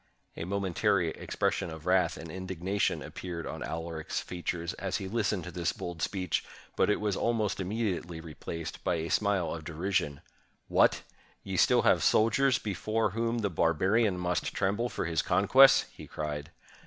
A momentary expression of wrath and indignation appeared on Alaric's features as he listened to this bold speech, but it was almost immediately replaced by a smile of derision. "What! ye have still soldiers before whom the barbarian must tremble for his conquests!" he cried.